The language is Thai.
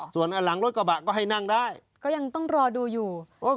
ส่วนหลังรถกระบะก็ให้นั่งได้ก็ยังต้องรอดูอยู่ว่า